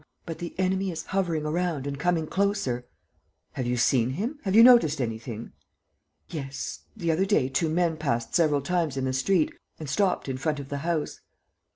But the enemy is hovering around and coming closer." "Have you seen him? Have you noticed anything?" "Yes, the other day two men passed several times in the street and stopped in front of the house."